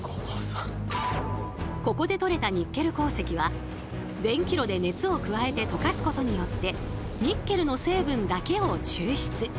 ここで取れたニッケル鉱石は電気炉で熱を加えて溶かすことによってニッケルの成分だけを抽出。